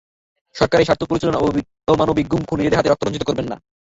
সরকারের স্বার্থ চরিতার্থে অমানবিক গুম, খুনে নিজেদের হাত রক্তে রঞ্জিত করবেন না।